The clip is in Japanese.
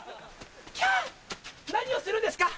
キャ！何をするんですか！